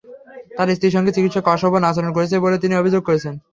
তাঁর স্ত্রীর সঙ্গে চিকিৎসক অশোভন আচরণ করেছেন বলে তিনি অভিযোগ করেছেন।